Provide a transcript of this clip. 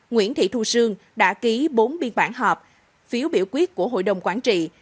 nguyễn thị thu sương đã ký bốn biên bản họp phiếu biểu quyết của hội đồng quản trị